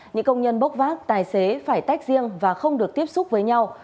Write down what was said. những công nhân bốc vác tài xế phải tách riêng và không được tiếp xúc với nhau